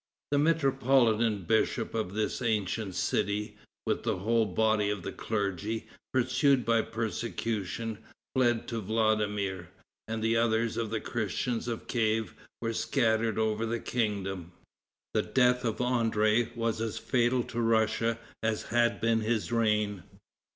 The metropolitan bishop of this ancient city, with the whole body of the clergy, pursued by persecution, fled to Vladimir; and others of the Christians of Kief were scattered over the kingdom. The death of André was as fatal to Russia as had been his reign.